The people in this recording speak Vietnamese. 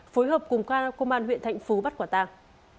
phối hợp cùng công an huyện thạnh phú bắt quả tàng